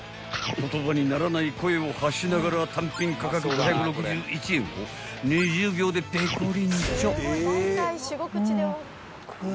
［言葉にならない声を発しながら単品価格５６１円を２０秒でペコリンチョ］